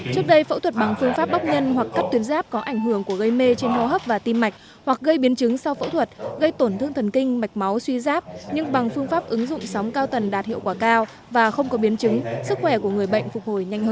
trước đây phẫu thuật bằng phương pháp bóc nhân hoặc cắt tuyến giáp có ảnh hưởng của gây mê trên hô hấp và tim mạch hoặc gây biến chứng sau phẫu thuật gây tổn thương thần kinh mạch máu suy giáp nhưng bằng phương pháp ứng dụng sóng cao tần đạt hiệu quả cao và không có biến chứng sức khỏe của người bệnh phục hồi nhanh hơn